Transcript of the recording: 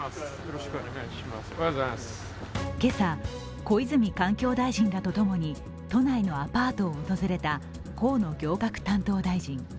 今朝、小泉環境大臣らとともに都内のアパートを訪れた河野行革担当大臣。